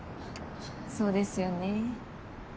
そうですよね。